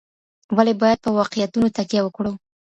ولي بايد په واقعيتونو تکيه وکړو؟